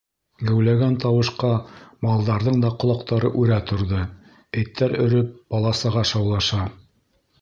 Геүләгән тауышҡа малдарҙың да ҡолаҡтары үрә торҙо, эттәр өрөп, бала-саға шаулаша.